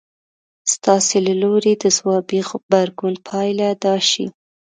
ستاسې له لوري د ځوابي غبرګون پايله دا شي.